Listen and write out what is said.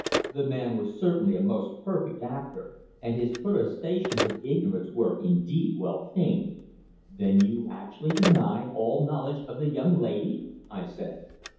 The man was certainly a most perfect actor, and his protestations of ignorance were, indeed, well feigned. "Then you actually deny all knowledge of the young lady!" I said.